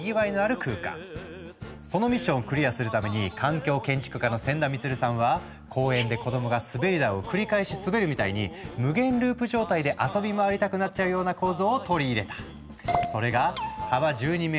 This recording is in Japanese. そのミッションをクリアするために環境建築家の仙田満さんは公園で子どもが滑り台を繰り返し滑るみたいに無限ループ状態で遊び回りたくなっちゃうような構造を取り入れた。